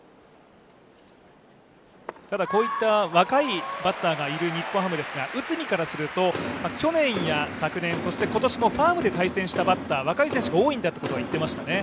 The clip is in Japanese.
ただ、こういった若いバッターがいる日本ハムですが、内海からすると昨年、今年もファームで対戦したバッター若い選手が多いんだと言っていましたね。